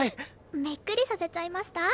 びっくりさせちゃいました？